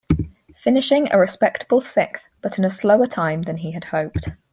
Finishing a respectable sixth, but in a slower time than he had hoped.